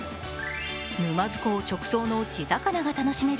沼津港直送の地魚が楽しめる